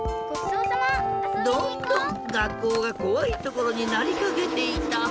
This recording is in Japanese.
どんどんがっこうがこわいところになりかけていた。